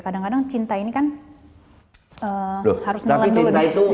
kadang kadang cinta ini kan harus menelan dulu